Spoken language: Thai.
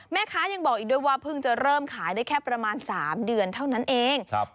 ยังบอกอีกด้วยว่าเพิ่งจะเริ่มขายได้แค่ประมาณ๓เดือนเท่านั้นเอง